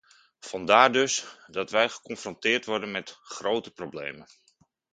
Vandaar dus dat wij geconfronteerd worden met grote problemen.